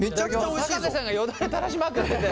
瀬さんがよだれたらしまくってて。